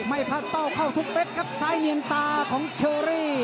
ไม่พัดเป้าเข้าทุกเม็ดครับซ้ายเนียนตาของเชอรี่